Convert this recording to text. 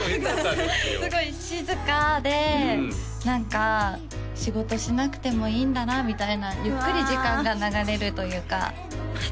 すごい静かで何か仕事しなくてもいいんだなみたいなゆっくり時間が流れるというかまあ